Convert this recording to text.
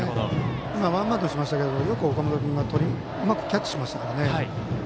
今、ワンバウンドしましたけど岡本君がキャッチしましたからね。